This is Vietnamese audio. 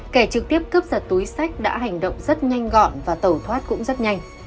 kẻ trực tiếp cướp giật túi sách đã hành động rất nhanh gọn và tẩu thoát cũng rất nhanh